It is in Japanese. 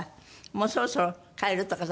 「もうそろそろ帰る」とかさ